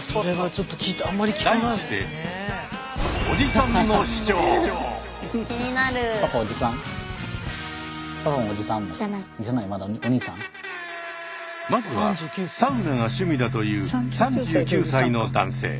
題してまずはサウナが趣味だという３９歳の男性。